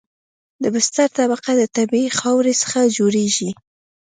د بستر طبقه د طبیعي خاورې څخه جوړیږي